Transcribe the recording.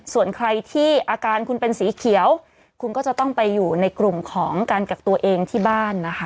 ส่วนใครที่อาการคุณเป็นสีเขียวคุณก็จะต้องไปอยู่ในกลุ่มของการกักตัวเองที่บ้านนะคะ